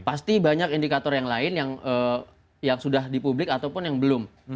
pasti banyak indikator yang lain yang sudah di publik ataupun yang belum